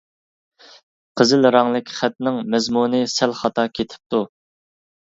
قىزىل رەڭلىك خەتنىڭ مەزمۇنى سەل خاتا كېتىپتۇ.